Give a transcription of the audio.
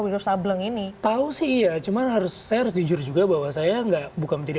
wire sableng ini tahu sih iya cuman harus saya harus jujur juga bahwa saya enggak bukan menjadi